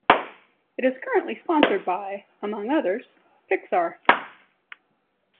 It is currently sponsored by, among others, Pixar.